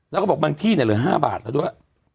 แล้วก็บอกบางที่เนี่ยเหลือ๕บาทแล้วด้วย